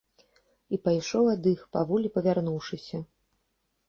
І пайшоў ад іх, паволі павярнуўшыся.